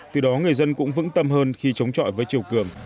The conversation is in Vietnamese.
từ đó người dân cũng vững tâm hơn khi chống trọi với chiều cường